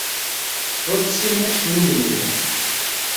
Ur tessinem ad tecnum mliḥ.